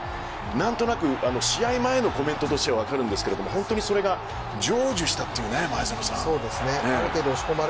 何となく試合前のコメントとしては分かるんですけれど本当にそれが成就したというね前園さん。